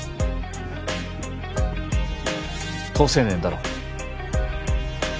好青年だろ？